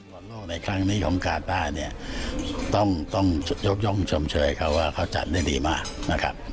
วันโลกในครั้งนี้ของกาต้าต้องยกย่งชมเชื้อให้เขาว่าเขาจัดได้ดีมากนะครับ